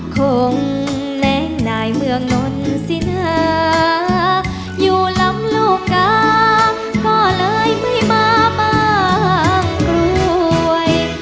คงแหลงนายเมืองนนสินหาอยู่ลำลูกกาก็เลยไม่มาบ้างกรวย